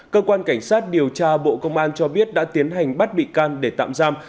cơ quan cảnh sát điều tra bộ công an cho biết đã tiến hành bắt bị can để tạm giam